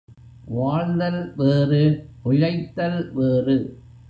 வாழ்தல் வேறு பிழைத்தல் வேறு.